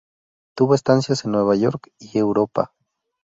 Tuvo estancias en Nueva York y Europa.